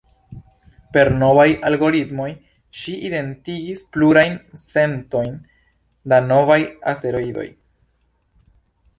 Per novaj algoritmoj ŝi identigis plurajn centojn da novaj asteroidoj.